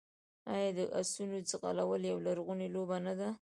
آیا د اسونو ځغلول یوه لرغونې لوبه نه ده؟